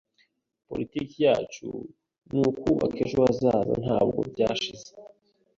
Politiki yacu nukubaka ejo hazaza, ntabwo byashize.